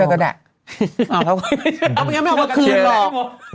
เอ้าแล้วไม่เอามาคืนหรอ